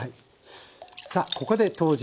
さあここで登場。